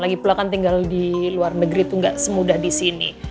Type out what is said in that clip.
lagi pula kan tinggal di luar negeri tuh gak semudah disini